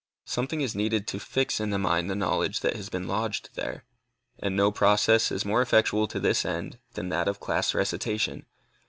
Something is needed to fix in the mind the knowledge that has been lodged there, and no process is more effectual to this end than that of class recitation.